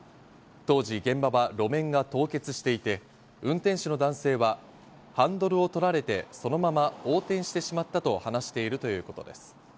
当時、現場は路面が凍結していて、運転手の男性はハンドルを取られてそのまま横転してしまったと話しているということです。